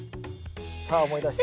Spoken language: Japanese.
さあ思い出して。